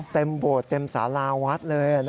เต็มโบสถ์เต็มสาราวัดเลยนะฮะ